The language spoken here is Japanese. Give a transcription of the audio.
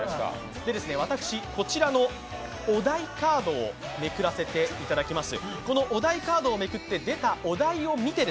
私、こちらのお題カードをめくらせていただきます。